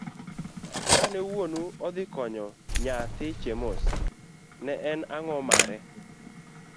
Kane wuonu odhi konyo nyathi Chemos, ne en ango' mare?